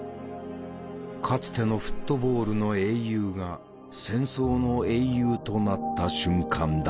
かつてのフットボールの英雄が戦争の英雄となった瞬間だった。